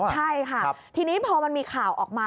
ใช่ค่ะทีนี้พอมันมีข่าวออกมา